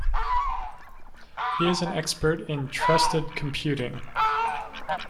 He is an expert in trusted computing.